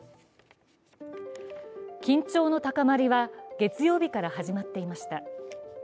緊張の高まりは月曜日から始まっていました。